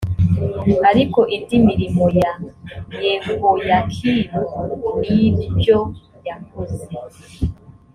ariko indi mirimo ya yehoyakimu n ibyo yakoze